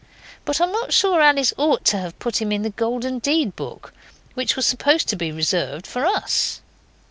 But I am not sure Alice ought to have put him in the Golden Deed book which was supposed to be reserved for Us.